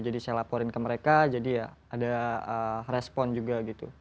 jadi saya laporin ke mereka jadi ya ada respon juga gitu